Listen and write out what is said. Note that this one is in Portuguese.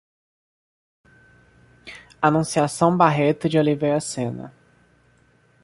Anunciação Barreto de Oliveira Sena